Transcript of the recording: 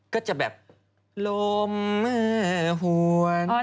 ก็จะแบบลมหวาน